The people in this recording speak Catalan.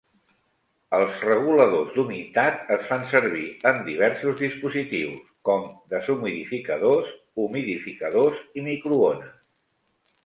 Els reguladors d'humitat es fan servir en diversos dispositius, com deshumidificadors, humidificadors i microones.